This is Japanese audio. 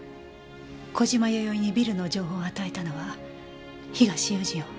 小島弥生にビルの情報を与えたのは東勇司よ。